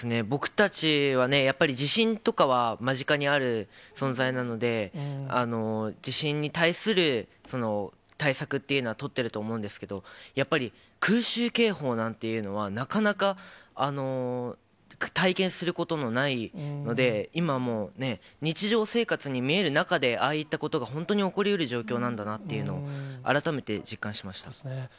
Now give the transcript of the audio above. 僕たちはやっぱり地震とかは間近にある存在なので、地震に対する対策というのは取っていると思うんですけど、やっぱり空襲警報なんていうのは、なかなか体験することがないので、今もう日常生活に見える中で、ああいったことが本当に起こりうる状況なんだなっていうのを、改めて実感しました。